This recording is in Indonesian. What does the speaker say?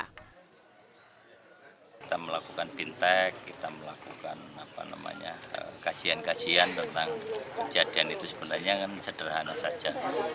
kita melakukan fintech kita melakukan kajian kajian tentang kejadian itu sebenarnya kan sederhana saja